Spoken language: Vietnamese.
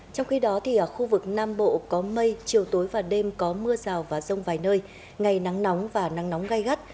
trong khi đó ở khu vực nam bộ có mây chiều tối và đêm có mưa rào và rông vài nơi ngày nắng nóng và nắng nóng gai gắt